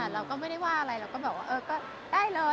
เราก็ไม่ได้ว่าอะไรเราก็แบบว่าก็ได้เลย